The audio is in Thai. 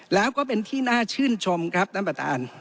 แล้วก็เป็นที่น่าชื่นชมครับท่านประธาน